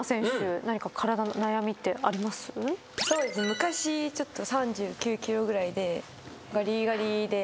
昔ちょっと３９ｋｇぐらいでがりがりで。